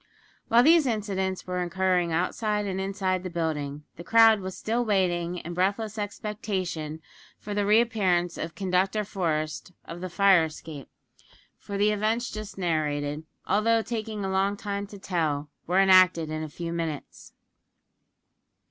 While these incidents were occurring outside and inside the building, the crowd was still waiting in breathless expectation for the re appearance of Conductor Forest of the fire escape; for the events just narrated, although taking a long time to tell, were enacted in a few minutes.